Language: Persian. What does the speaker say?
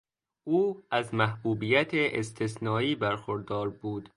او از محبوبیت استثنایی برخوردار بود.